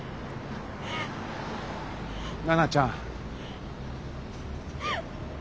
奈々ちゃん。